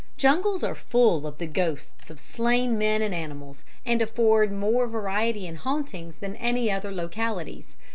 Jungles are full of the ghosts of slain men and animals, and afford more variety in hauntings than any other localities.